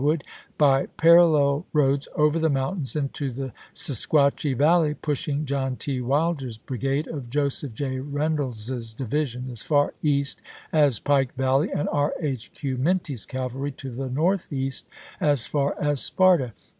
Wood, by parallel roads over the mountains into the Se quatchie Valley, pushing John T. Wilder's brigade of Joseph J. Eeynolds's division as far east as Pike Valley, and R. H. Q. Minty's cavalry to the northeast as far as Sparta.